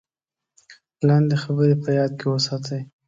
لاندې خبرې په یاد کې وساتئ: